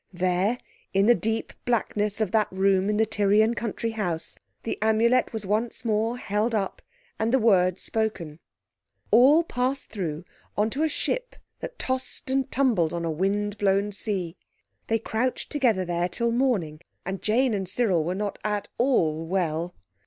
There in the deep blackness of that room in the Tyrian country house the Amulet was once more held up and the word spoken. All passed through on to a ship that tossed and tumbled on a wind blown sea. They crouched together there till morning, and Jane and Cyril were not at all well.